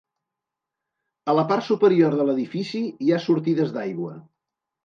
A la part superior de l'edifici, hi ha sortides d'aigua.